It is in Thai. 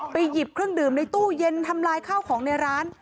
หยิบเครื่องดื่มในตู้เย็นทำลายข้าวของในร้าน